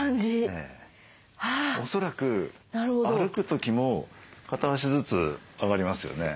恐らく歩く時も片足ずつ上がりますよね。